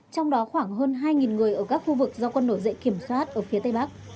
trong đó khoảng hơn hai người ở các khu vực do quân nổi dậy kiểm soát ở phía tây bắc